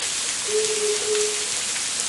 Nuduxu.